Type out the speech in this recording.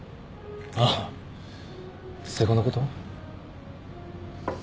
ああ瀬古のこと？